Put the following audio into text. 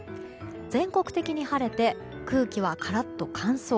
全国的に晴れて空気はカラッと乾燥。